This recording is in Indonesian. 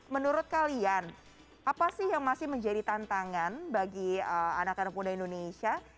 menurut kalian apa sih yang masih menjadi tantangan bagi anak anak muda indonesia